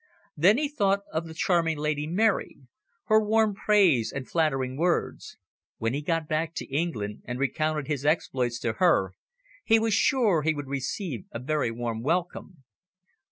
Then he thought of the charming Lady Mary, her warm praise and flattering words. When he got back to England and recounted his exploits to her, he was sure he would receive a very warm welcome.